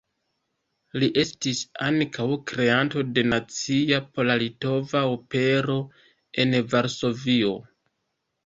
Li estis ankaŭ kreanto de nacia pola-litova opero en Varsovio.